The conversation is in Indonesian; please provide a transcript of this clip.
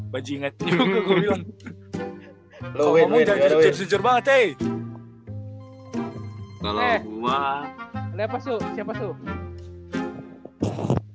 baji inget juga gua bilang